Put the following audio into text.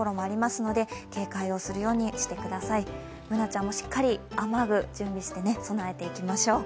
Ｂｏｏｎａちゃんもしっかり雨具準備して備えていきましょう。